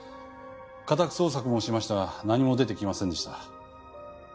家宅捜索もしましたが何も出てきませんでした。